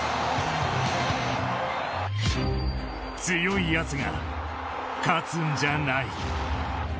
強いやつが勝つんじゃない。